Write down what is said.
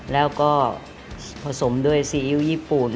แล้วก็ผสมด้วยซีอิ๊วญี่ปุ่น